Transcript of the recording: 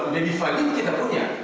lebih valid kita punya